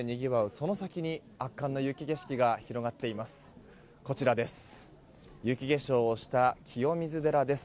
その先に圧巻の雪景色が広がっています。